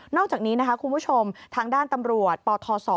อกจากนี้นะคะคุณผู้ชมทางด้านตำรวจปทศ